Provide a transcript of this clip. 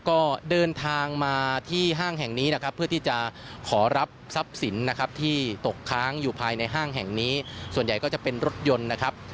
ก็เดินทางมาที่ห้างแห่งนี้นะครับเพื่อที่จะขอรับทรัพย์สินนะครับที่ตกค้างอยู่ภายในห้างแห่งนี้ส่วนใหญ่ก็จะเป็นรถยนต์นะครับ